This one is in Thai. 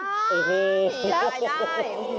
ได้